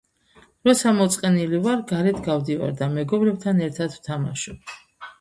როცა მოწყენილი ვარ გარეთ გავდივარ და მეგობრებთან ერთად ვთამაშობ